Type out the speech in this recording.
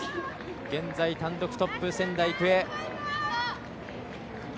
現在、単独トップ、仙台育英。